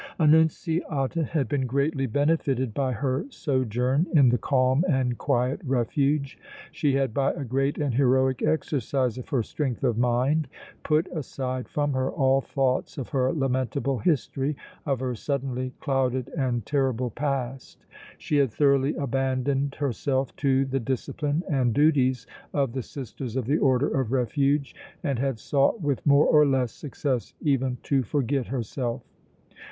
Annunziata had been greatly benefited by her sojourn in the calm and quiet Refuge. She had by a great and heroic exercise of her strength of mind put aside from her all thoughts of her lamentable history, of her suddenly clouded and terrible past. She had thoroughly abandoned herself to the discipline and duties of the Sisters of the Order of Refuge, and had sought with more or less success even to forget herself.